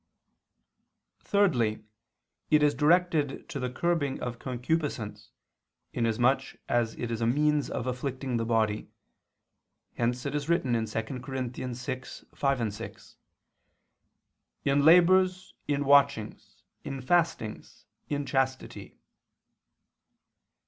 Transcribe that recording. Thirdly, it is directed to the curbing of concupiscence, inasmuch as it is a means of afflicting the body; hence it is written (2 Cor. 6:5, 6): "In labors, in watchings, in fastings, in chastity."